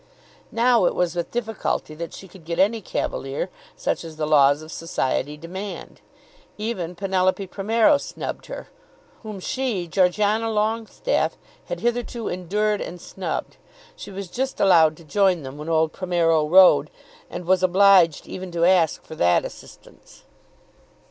Now it was with difficulty that she could get any cavalier such as the laws of society demand. Even Penelope Primero snubbed her, whom she, Georgiana Longestaffe, had hitherto endured and snubbed. She was just allowed to join them when old Primero rode, and was obliged even to ask for that assistance.